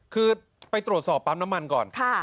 คือไปตรวจสอบปั๊มน้ำมันก่อน